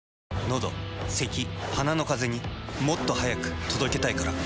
のどせき鼻のカゼにもっと速く届けたいから。